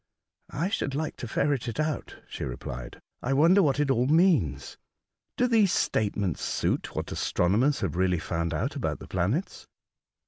'' I should like to ferret it out," she replied. '' I wonder what it all means. Do these state ments suit what astronomers have really found out about the planets